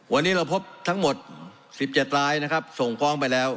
วันนี้เราพบทั้งหมด๑๗รายนะครับส่งฟ้องไปแล้ว